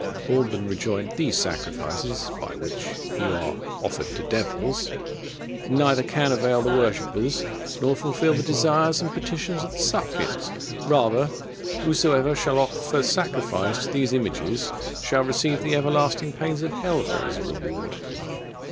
Alban rejoined, "These sacrifices, which by you are offered to devils, neither can avail the worshippers, nor fulfil the desires and petitions of the suppliants. Rather, whosoever shall offer sacrifice to these images, shall receive the everlasting pains of hell for his reward."